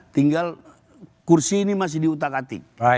tinggal kursi ini masih diutak atik